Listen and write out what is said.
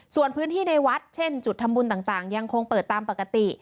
ส่วนพื้นที่ในวัดเช่นจุดทำบุญต่างยังคงเปิดตามปกติ